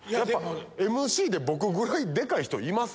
ＭＣで僕ぐらいデカい人います？